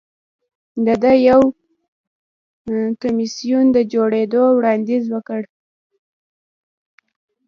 ده د یو کمېسیون د جوړېدو وړاندیز وکړ